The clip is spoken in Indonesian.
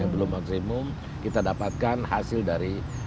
belum maksimum kita dapatkan hasil dari